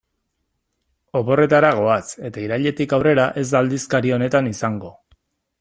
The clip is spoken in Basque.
Oporretara goaz eta irailetik aurrera ez da aldizkari honetan izango.